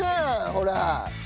ほら。